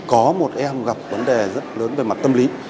có một em gặp vấn đề rất lớn về mặt tâm lý